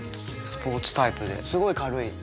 スポーツタイプですごい軽い。